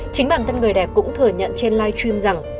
chính bản thân người đẹp cũng thừa nhận trên live stream rằng